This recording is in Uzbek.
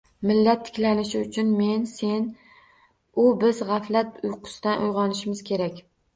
Millat tiklanishi uchun men, sen, u – biz g‘aflat uyqusidan uyg‘onishimiz kerak.